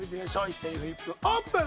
一斉にフリップオープン！